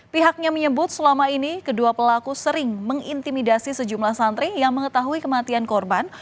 pihaknya menyebut selama ini kedua pelaku sering mengintimidasi sejumlah santri yang mengetahui kematian korban